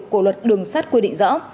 của luật đường sát quy định